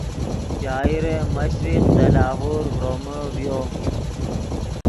شاعر مشرق دے لاہور ڤرومے ڤیو